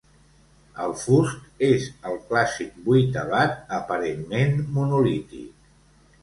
El fust és el clàssic vuitavat, aparentment monolític.